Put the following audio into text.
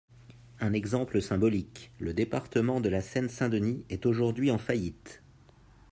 Un exemple symbolique, le département de la Seine-Saint-Denis est aujourd’hui en faillite.